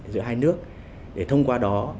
giữa hai nước để thông qua đó